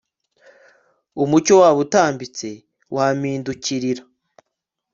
Umucyo wabo utambitse wampindukirira